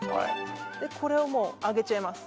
これを上げちゃいます